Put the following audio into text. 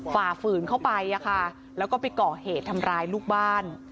ฝ่าฝืนเข้าไปแล้วก็ไปก่อเหตุทำร้ายลูกบ้าน